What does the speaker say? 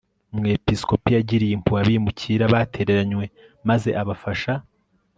Umwepiskopi yagiriye impuhwe abimukira batereranywe maze abafasha